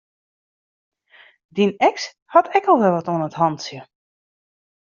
Dyn eks hat ek al wer wat oan 't hantsje.